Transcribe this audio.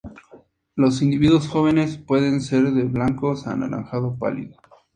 Los individuos jóvenes pueden ser de blancos a anaranjado pálido.